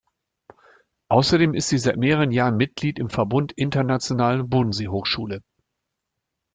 Außerdem ist sie seit mehreren Jahren Mitglied im Verbund Internationale Bodensee-Hochschule.